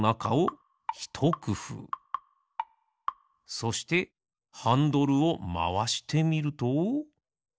そしてハンドルをまわしてみると。